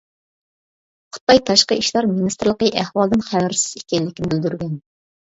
خىتاي تاشقى ئىشلار مىنىستىرلىقى ئەھۋالدىن خەۋەرسىز ئىكەنلىكىنى بىلدۈرگەن.